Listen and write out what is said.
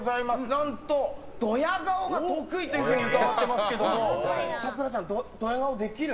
何と、ドヤ顔が得意というふうに伺っていますがさくらちゃん、ドヤ顔できる？